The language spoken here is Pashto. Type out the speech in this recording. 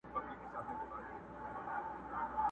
زه څو ځله در څرګند سوم تا لا نه یمه لیدلی،